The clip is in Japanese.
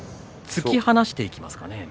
突き放していきますかね。